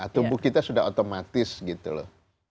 tubuh kita sudah otomatis gitu loh